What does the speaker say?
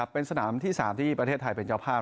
เป็นสนามที่๓ที่ประเทศไทยเป็นเจ้าภาพ